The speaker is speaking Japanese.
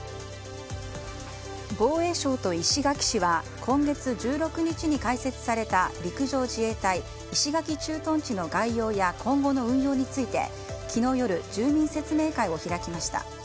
防衛省と石垣市は今月１６日に開設された陸上自衛隊石垣駐屯地の概要や今後の運用について昨日夜、住民説明会を開きました。